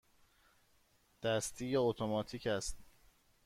دستی یا اتوماتیک است؟